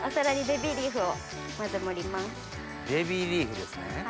ベビーリーフですね。